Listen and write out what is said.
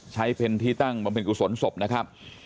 ใช้เป็นที่ตั้งบำเพ็ญกุศลศพนะครับ